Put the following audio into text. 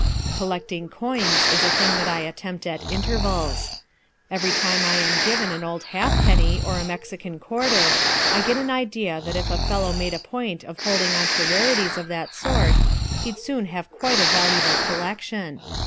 Collecting coins is a thing that I attempt at intervals. Every time I am given an old half penny or a Mexican quarter, I get an idea that if a fellow made a point of holding on to rarities of that sort, he'd soon have quite a valuable collection.